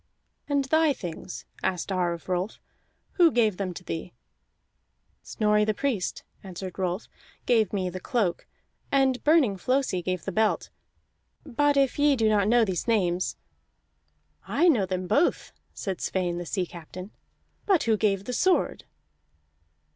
"And thy things," asked Ar of Rolf. "Who gave them to thee?" "Snorri the Priest," answered Rolf, "gave me the cloak, and Burning Flosi gave the belt; but if ye do not know these names " "I know them both," said Sweyn the sea captain. "But who gave the sword?"